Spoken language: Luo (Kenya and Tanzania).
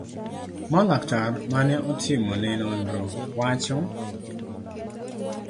ma laktar mane otimo ne nonro wacho